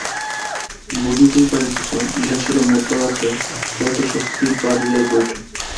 বুঝিতেই পারিতেছ, ইহা ছিল মধ্যরাত্রে প্রেতশক্তি-বাদীদের বৈঠক।